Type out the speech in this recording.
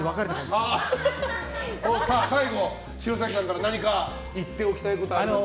最後、城咲さんから何か言っておきたいことありますか？